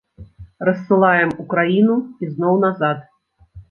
Рассылаем у краіну, ізноў назад.